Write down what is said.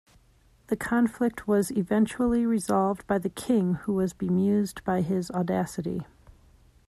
The conflict was eventually resolved by the King who was bemused by his audacity.